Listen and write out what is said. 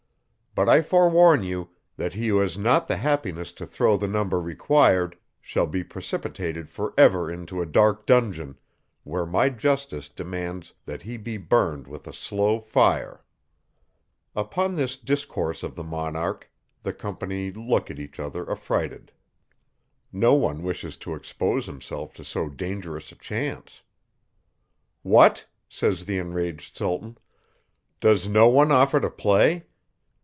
But, I forewarn you, that he who has not the happiness to throw the number required, shall be precipitated for ever into a dark dungeon, where my justice demands that he be burned with a slow fire._ Upon this discourse of the monarch, the company look at each other affrighted. No one wishes to expose himself to so dangerous a chance. What! says the enraged Sultan, _does no one offer to play?